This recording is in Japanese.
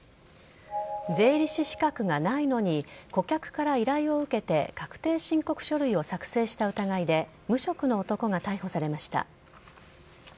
税理士資格がないのに顧客から依頼を受けて確定申告書類を作成した疑いで無職の男が逮捕されました。